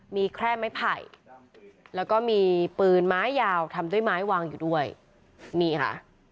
มีแค่ไม้ไผ่แล้วก็มีปืนไม้ยาวทำด้วยไม้วางอยู่ด้วยนี่ค่ะ